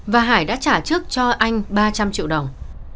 và hải đã trả trước cho anh ba trăm linh triệu đồng